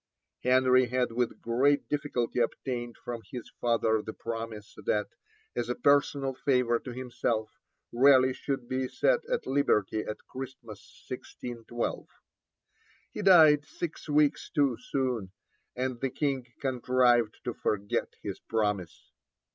Henry had with great difficulty obtained from his father the promise that, as a personal favour to himself, Raleigh should be set at liberty at Christmas 1612. He died six weeks too soon, and the King contrived to forget his promise.